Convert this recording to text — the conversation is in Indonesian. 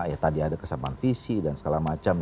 ya tadi ada kesamaan visi dan segala macam